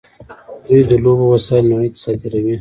دوی د لوبو وسایل نړۍ ته صادروي.